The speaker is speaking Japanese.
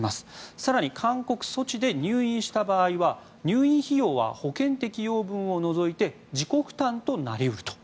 更に、勧告・措置で入院した場合は入院費用は保険適用分を除いて自己負担となり得ると。